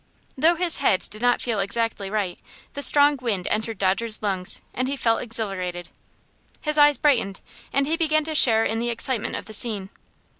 Though his head did not feel exactly right, the strong wind entered Dodger's lungs, and he felt exhilarated. His eyes brightened, and he began to share in the excitement of the scene.